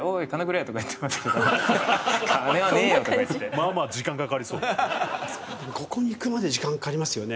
まあまあ時間かかりそうですね。